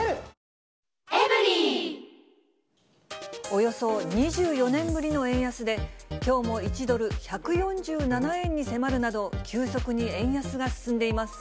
およそ２４年ぶりの円安で、きょうも１ドル１４７円に迫るなど、急速に円安が進んでいます。